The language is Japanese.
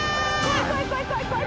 怖い怖い怖い。